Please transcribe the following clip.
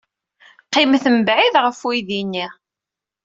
Qqimet mebɛid ɣef uydi-nni.